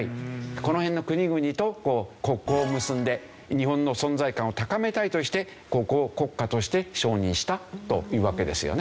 この辺の国々と国交を結んで日本の存在感を高めたいとしてここを国家として承認したというわけですよね。